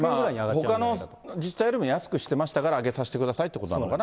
ほかの自治体よりも安くしてましたから、上げさせてくださいってことなのかな。